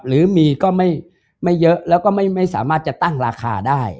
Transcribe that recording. หรือมีก็ไม่เยอะแล้วก็ไม่สามารถจะตั้งราคาได้